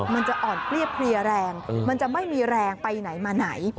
มันจะอ่อนเปรี้ยเพลียแรงมันจะไม่มีแรงไปไหนมาไหน